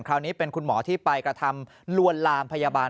คราวนี้เป็นคุณหมอที่ไปกระทำลวนลามพยาบาล